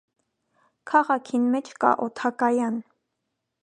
Քաղաքին մէջ կա օդկայան։